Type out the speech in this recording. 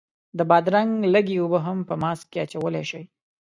د بادرنګ لږې اوبه هم په ماسک کې اچولی شئ.